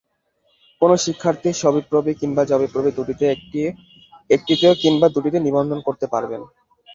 কোনো শিক্ষার্থী শাবিপ্রবি কিংবা যবিপ্রবি দুটির একটিতে কিংবা দুটিতেই নিবন্ধন করতে পারবেন।